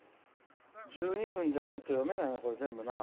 １２分じゃ、ちょっと読めないな、全部な。